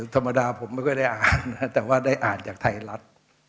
ธรรมดาผมไม่ค่อยได้อ่านนะแต่ว่าได้อ่านจากไทยรัฐ